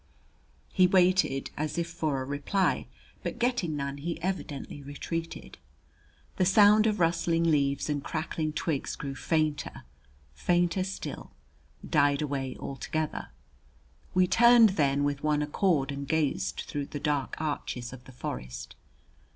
He waited, as if for a reply; but getting none he evidently retreated. The sound of rustling leaves and crackling twigs grew fainter, fainter still, died away altogether. We turned then with one accord and gazed through the dark arches of the forest.